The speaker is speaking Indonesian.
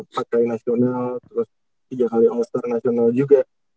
pakai nasional terus tiga x all star nasional juga